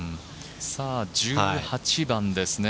１８番です。